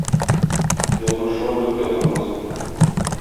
Язмышыңа берүк язылмасын.